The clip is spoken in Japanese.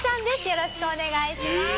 よろしくお願いします。